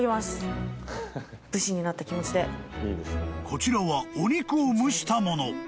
［こちらはお肉を蒸したもの］